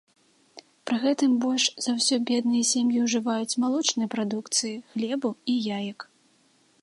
Пры гэтым больш за ўсё бедныя сем'і ўжываюць малочнай прадукцыі, хлебу і яек.